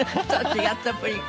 違ったプリン。